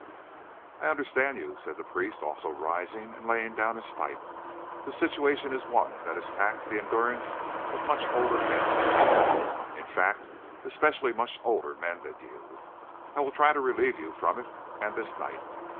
"I understand you," said the priest, also rising, and laying down his pipe. "The situation is one that has taxed the endurance of much older men than you—in fact, especially much older men than you. I will try to relieve you from it, and this night.